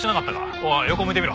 おい横向いてみろ。